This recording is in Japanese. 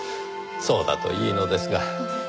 そうだといいのですが。